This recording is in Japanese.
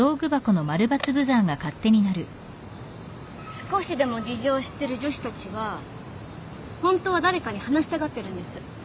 少しでも事情を知ってる女子たちはホントは誰かに話したがってるんです。